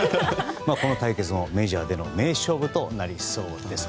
この対決もメジャーでの名勝負となりそうですね。